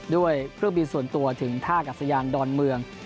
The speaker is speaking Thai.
ด้วยเครื่องบินส่วนตัวถึงท่ากัศยานดอนเมือง